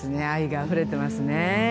愛があふれていますね。